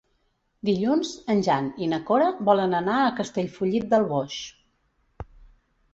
Dilluns en Jan i na Cora volen anar a Castellfollit del Boix.